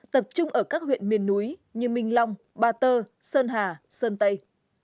tập trung ở các huyện miền núi như minh long ba tơ sơn hà sơn tây